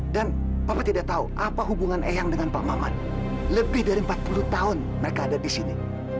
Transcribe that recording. di dalam empat puluh tahun mereka ada di sini